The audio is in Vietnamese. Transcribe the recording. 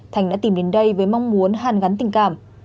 thành đã tìm đến đây với mong muốn hàn gắn tình cảm